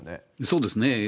そうですね。